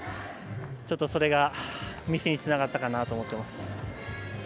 それがミスにつながったかなと思っています。